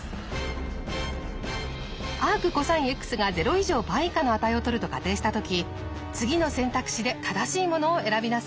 アークコサインｘが０以上パイ以下の値をとると仮定したとき次の選択肢で正しいものを選びなさい。